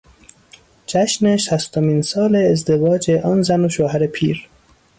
جشن شصتمین سال ازدواج آن زن و شوهر پیر